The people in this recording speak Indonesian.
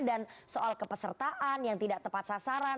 dan soal kepesertaan yang tidak tepat sasaran